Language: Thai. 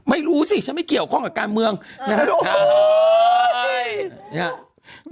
ไม่รู้สิฉันไม่เกี่ยวข้องกับการเมืองนะครับ